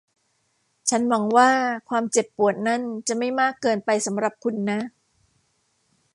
ฉันหวังว่าความเจ็บปวดนั่นจะไม่มากเกินไปสำหรับคุณนะ